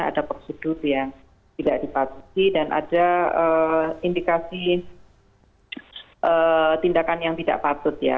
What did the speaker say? ada prosedur yang tidak dipatuhi dan ada indikasi tindakan yang tidak patut ya